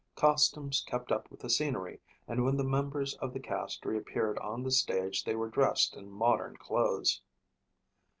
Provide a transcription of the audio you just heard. Costumes kept up with the scenery and when the members of the cast reappeared on the stage they were dressed in modern clothes.